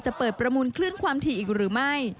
เปิดประมูลคลื่นความถี่อีกหรือไม่